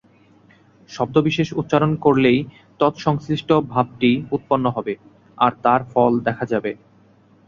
শব্দবিশেষ উচ্চারণ করলেই তৎসংশ্লিষ্ট ভাবটি উৎপন্ন হবে, আর তার ফল দেখা যাবে।